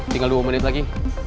tinggal dua menit lagi